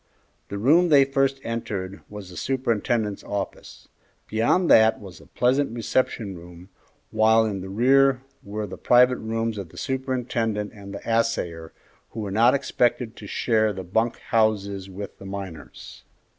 The room they first entered was the superintendent's office. Beyond that was a pleasant reception room, while in the rear were the private rooms of the superintendent and the assayer, who were not expected to share the bunk houses with the miners.